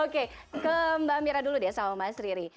oke ke mbak mira dulu deh sama mas riri